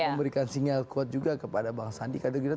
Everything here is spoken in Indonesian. memberikan sinyal kuat juga kepada bang sandi kader gerindra